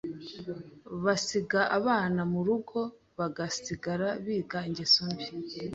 bagasiga abana murugo bagasigara biga ingeso mbi,